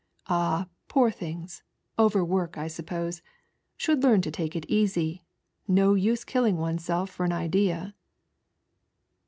" Ah, poor things, OTerwork I suppose ; should leant to take it easy, no nse killing oneself for an idea."